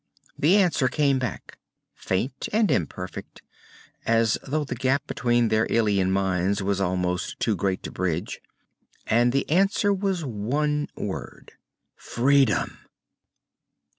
The answer came back, faint and imperfect, as though the gap between their alien minds was almost too great to bridge. And the answer was one word. "_Freedom!